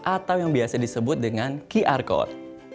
atau yang biasa disebut dengan qr code